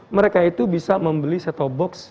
mereka itu bisa membeli set top box